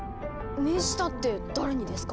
「命じた」って誰にですか？